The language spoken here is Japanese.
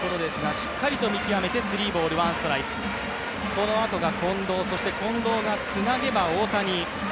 このあとが近藤、そして近藤がつなげば大谷。